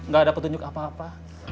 gak ada petunjuk apa apa